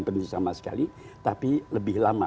penduduk sama sekali tapi lebih lama